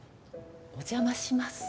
お邪魔します。